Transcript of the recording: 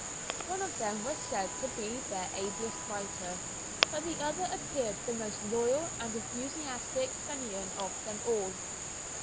One of them was said to be their ablest writer, but the other appeared the most loyal and enthusiastic Fenian of them all.